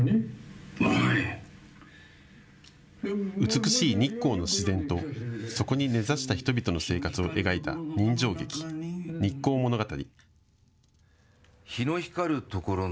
美しい日光の自然とそこに根ざした人々の生活を描いた人情劇、日光物語。